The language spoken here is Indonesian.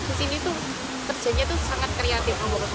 di sini kerjanya sangat kreatif